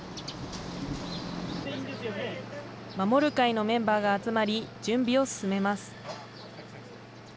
守る会のメンバーが集まり、準備を進めます。